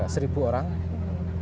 seribu orang jadi nggak terlalu